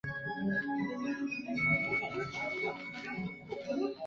阿戈讷地区东巴勒人口变化图示